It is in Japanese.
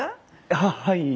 あっはい。